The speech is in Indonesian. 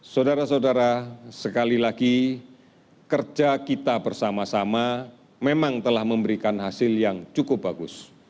saudara saudara sekali lagi kerja kita bersama sama memang telah memberikan hasil yang cukup bagus